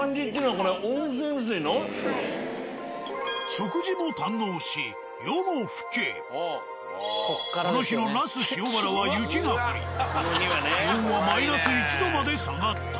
食事も堪能し夜も更けこの日の那須塩原は雪が降り気温はマイナス１度まで下がった。